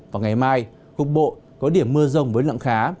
và ngày mai khu bộ có điểm mưa rồng với lượng khá